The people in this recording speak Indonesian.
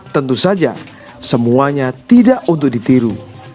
tentu saja semuanya tidak untuk ditiru